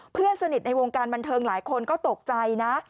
เพื่อนสนิทในวงการบันเทิงหลายคนก็ตกใจนะ